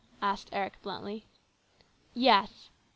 asked Eric bluntly. " Yes."